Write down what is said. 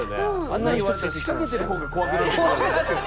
あんなん言われたら仕掛けてる方が怖くなってくる。